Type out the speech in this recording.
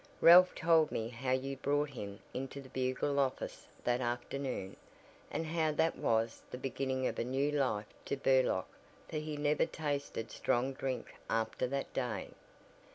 Ralph told me how you brought him into the Bugle office that afternoon, and how that was the beginning of a new life to Burlock for he never tasted strong drink after that day."